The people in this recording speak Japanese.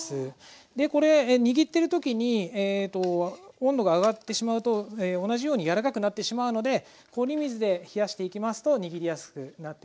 でこれ握ってる時に温度が上がってしまうと同じようにやわらかくなってしまうので氷水で冷やしていきますと握りやすくなっています。